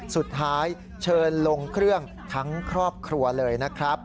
เชิญลงเครื่องทั้งครอบครัวเลยนะครับ